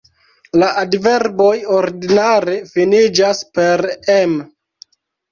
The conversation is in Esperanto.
La adverboj ordinare finiĝas per -em.